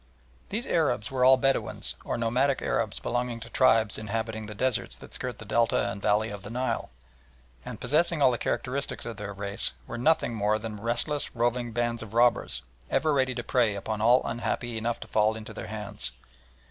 These Arabs were all Bedouins, or nomadic Arabs belonging to tribes inhabiting the deserts that skirt the Delta and valley of the Nile, and, possessing all the characteristics of their race, were nothing more than restless, roving bands of robbers, ever ready to prey upon all unhappy enough to fall into their hands.